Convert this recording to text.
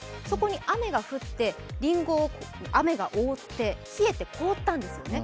そこに雨が降って、りんごを雨が覆って、冷えて凍ったんです。